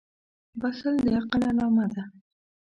• بښل د عقل علامه ده.